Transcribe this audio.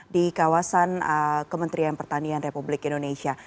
di kawasan kementerian pertanian republik indonesia